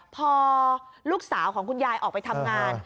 พอลูกสาวของคุณยายออกไปทำงาน